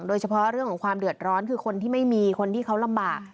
โดยเฉพาะเรื่องของความเดือดร้อนคือคนที่ไม่มีคนที่เขาลำบาก